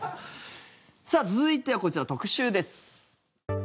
さあ、続いてはこちら特集です。